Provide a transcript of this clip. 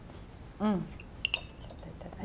うん！